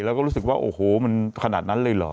แล้วก็รู้สึกว่าโอ้โหมันขนาดนั้นเลยเหรอ